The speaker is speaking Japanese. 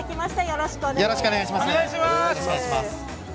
よろしくお願いします。